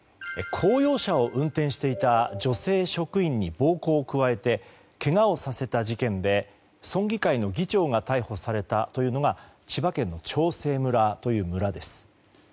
公用車を運転していた女性職員に暴行を加えてけがをさせた事件で村議会の議長が逮捕されたというのが千葉県の長生村という村です。